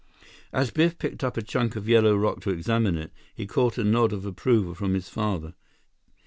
As Biff picked up a chunk of yellow rock to examine it, he caught a nod of approval from his father.